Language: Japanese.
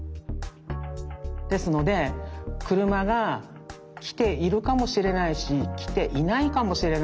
ですのでくるまがきているかもしれないしきていないかもしれないし。